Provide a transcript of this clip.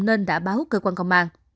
nên đã báo cơ quan công an